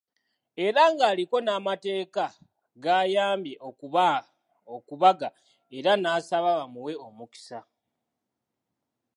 Era ng'aliko n’amateeka g'ayambye okubaga era n'asaba bamuwe omukisa.